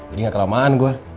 ini gak kelamaan gue